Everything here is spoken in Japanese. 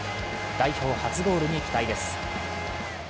代表初ゴールに期待です。